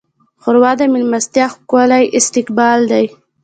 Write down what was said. ښوروا د میلمستیا ښکلی استقبال دی.